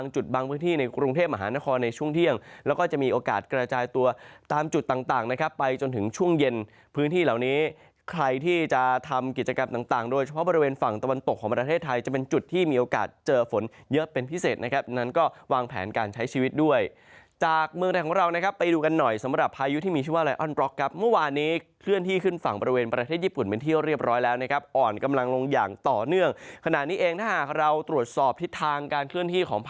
จุดที่มีโอกาสเจอฝนเยอะเป็นพิเศษนะครับนั้นก็วางแผนการใช้ชีวิตด้วยจากเมืองไทยของเรานะครับไปดูกันหน่อยสำหรับพายุที่มีชื่อว่าไลน์ออนดร็อกครับเมื่อวานนี้เคลื่อนที่ขึ้นฝั่งบริเวณประเทศญี่ปุ่นเป็นที่เรียบร้อยแล้วนะครับอ่อนกำลังลงอย่างต่อเนื่องขนาดนี้เองถ้าหากเราตรวจสอบทิศทางการเค